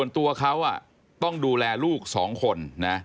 ตัวเขาต้องดูแลลูกสองคน